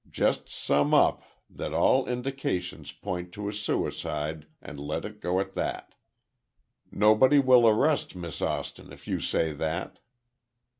Just sum up that all indications point to a suicide, and let it go at that. Nobody will arrest Miss Austin if you say that."